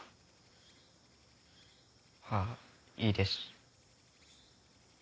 はあいいです。